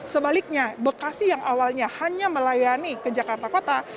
sebaliknya bekasi yang awalnya hanya melayani perjalanan ke jogja